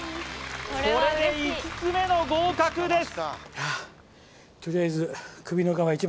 これで５つ目の合格です